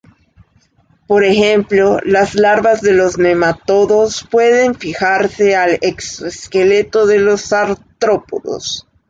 Por ejemplo, las larvas de los nematodos pueden fijarse al exoesqueleto de los artrópodos.